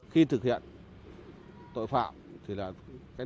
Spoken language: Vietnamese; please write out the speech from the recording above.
khi thực hiện tội phạm